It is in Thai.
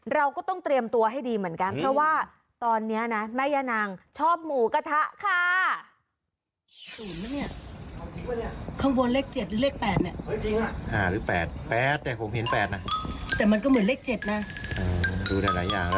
เราก็ต้องเตรียมตัวให้ดีเหมือนกันเพราะว่าตอนนี้นะแม่ย่านางชอบหมูกระทะค่ะ